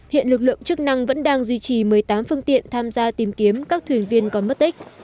hiện lực lượng chức năng vẫn đang duy trì một mươi tám phương tiện tham gia tìm kiếm các thuyền viên còn mất tích